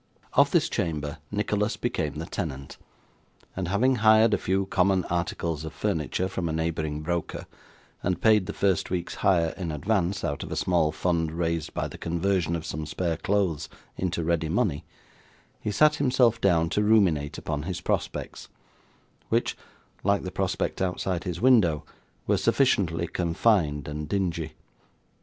Of this chamber, Nicholas became the tenant; and having hired a few common articles of furniture from a neighbouring broker, and paid the first week's hire in advance, out of a small fund raised by the conversion of some spare clothes into ready money, he sat himself down to ruminate upon his prospects, which, like the prospect outside his window, were sufficiently confined and dingy.